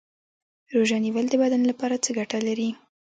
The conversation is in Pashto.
روژه نیول د بدن لپاره څه ګټه لري